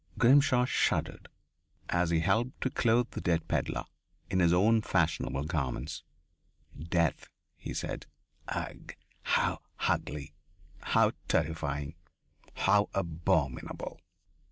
Grimshaw shuddered as he helped to clothe the dead pedlar in his own fashionable garments. "Death," he said. "Ugh! How ugly. How terrifying. How abominable."